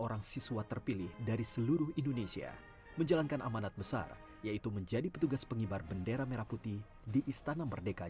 delapan belas agustus dua ribu dua puluh dua semua mata tertuju pada pasukan penghibar bendera pusaka atau paskiberaka